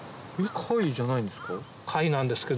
貝じゃないんですか？